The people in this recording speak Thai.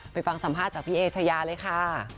ฟังสัมภาษณ์จากพี่เอชายาเลยค่ะ